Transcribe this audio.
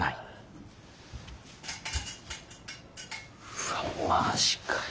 うわっマジかよ。